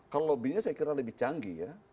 kalau lobbynya saya kira lebih canggih ya